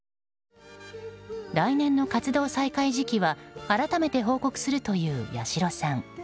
来年の活動再開時期は改めて報告するという八代さん。